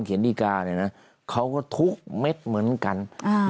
เขียนดิการ์เนี่ยนะเขาก็ทุกเม็ดเหมือนกันอ่า